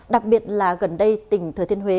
đặc biệt là gần đây tỉnh thời thiên huế